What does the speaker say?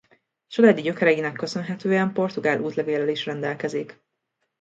Családi gyökereinek köszönhetően portugál útlevéllel is rendelkezik.